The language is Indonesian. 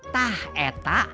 tah e tak